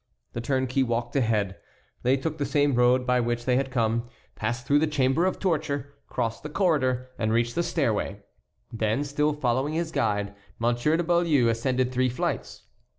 The turnkey walked ahead. They took the same road by which they had come, passed through the chamber of torture, crossed the corridor, and reached the stairway. Then, still following his guide, Monsieur de Beaulieu ascended three flights.